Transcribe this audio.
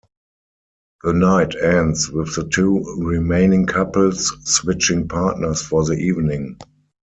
The night ends with the two remaining couples switching partners for the evening.